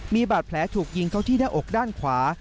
มีบาดแผลถูกยิงเข้าที่หน้าอกด้านขวา